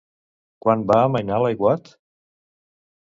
Quan va amainar l'aiguat?